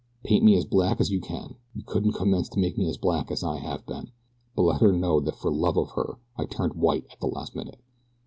Paint me as black as you can you couldn't commence to make me as black as I have been but let her know that for love of her I turned white at the last minute.